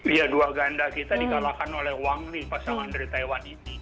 iya dua ganda kita di kalahkan oleh wang li pasangan dari taiwan ini